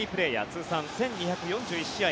通算１２４１試合